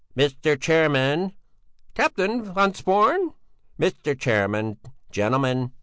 "Mr. Chairman!" "Captain von Sporn!" "Mr. Chairman, gentlemen!